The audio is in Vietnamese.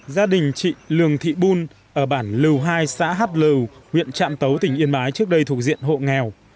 gia đình chị lường thị bun ở bản lưu hai xã hát lưu huyện trạm tấu tỉnh yên bái trước đây thuộc diện hộ nghèo